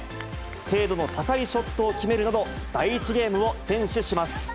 精度の高いショットを決めるなど、第１ゲームを先取します。